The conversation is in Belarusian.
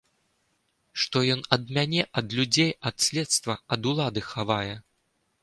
Што ён ад мяне, ад людзей, ад следства, ад улады хавае?